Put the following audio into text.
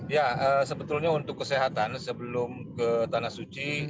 ya sebetulnya untuk kesehatan sebelum ke tanah suci